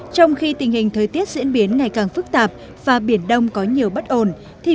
trong khi tình hình thời tiết diễn biến ngày càng phức tạp và biển đông có nhiều bất ổn